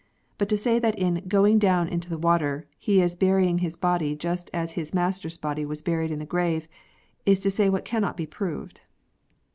But to say that in " going down into the water" he is burying his body just as His Master s body was buried in the grave, is to say what cannot be proved.